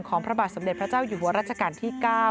พระบาทสมเด็จพระเจ้าอยู่หัวรัชกาลที่๙